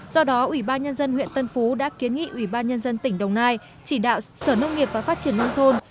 do đó ủy ban nhân dân huyện tân phú đã kiến nghị ủy ban nhân dân tỉnh đồng nai chỉ đạo sở nông nghiệp và phát triển nông thôn